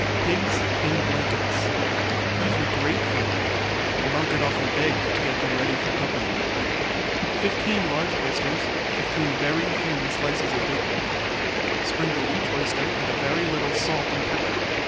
Pigs in Blankets These were great fun to make, and Margaret often begged to get them ready for company. 15 large oysters. 15 very thin slices of bacon. Sprinkle each oyster with a very little salt and pepper.